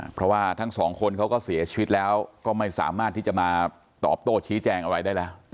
เพราะว่าทั้งสองคนเขาก็เสียชีวิตแล้วก็ไม่สามารถที่จะมาตอบโต้ชี้แจงอะไรได้แล้ว